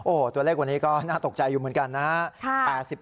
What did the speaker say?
โอ้โหตัวเลขวันนี้ก็น่าตกใจอยู่เหมือนกันนะครับ